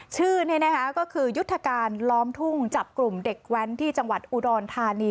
ชื่อนี่นะคะก็คือยุทธการล้อมทุ่งจับกลุ่มเด็กแว้นที่จังหวัดอุดรธานี